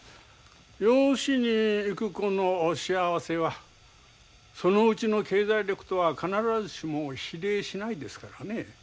養子に行く子の幸せはそのうちの経済力とは必ずしも比例しないですからね。